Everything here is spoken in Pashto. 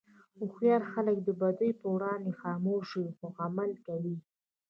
هوښیار خلک د بدیو پر وړاندې خاموش وي، خو عمل کوي.